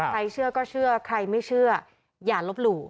ใครเชื่อก็เชื่อใครไม่เชื่ออย่าลบหลู่